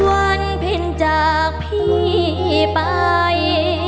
วันพินจากพี่ไป